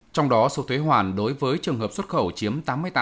trong đó số thuế hoàn đối với trường hợp xuất khẩu chiếm tám mươi tám hai mươi tám